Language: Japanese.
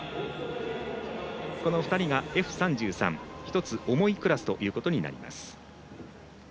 この２人がＦ３３１つ重いクラスということになります。